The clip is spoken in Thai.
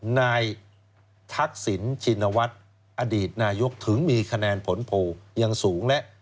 นายทักษิณชินวัฒน์อดีตนายกถึงมีคะแนนผลโพลยังสูงและ